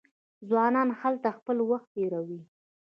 ځوانان هلته خپل وخت تیروي.